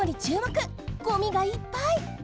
ごみがいっぱい！